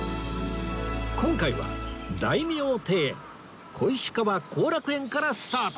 今回は大名庭園小石川後楽園からスタート